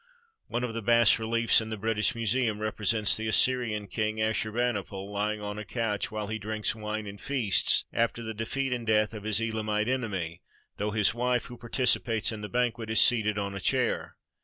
One of the bas reliefs in the British Museum represents the Assyrian King Assur bani pal lying on a couch while he drinks wine and feasts after the defeat and death of his Elamite enemy, though his wife, who participates in the banquet, is seated on a chair.